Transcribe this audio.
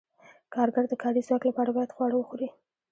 کارګر د کاري ځواک لپاره باید خواړه وخوري.